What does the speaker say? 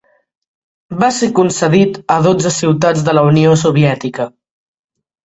Va ser concedit a dotze ciutats de la Unió Soviètica.